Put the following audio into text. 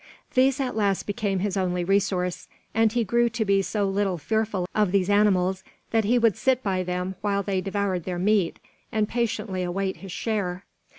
These at last became his only resource, and he grew to be so little fearful of these animals that he would sit by them while they devoured their meat, and patiently await his share.